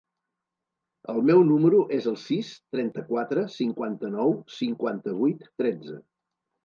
El meu número es el sis, trenta-quatre, cinquanta-nou, cinquanta-vuit, tretze.